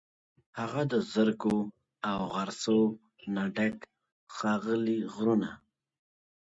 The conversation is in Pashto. هغه د زرکو، او غرڅو، نه ډک، ښاغلي غرونه